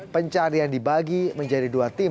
pencarian dibagi menjadi dua tim